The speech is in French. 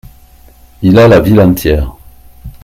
Il a la ville entière.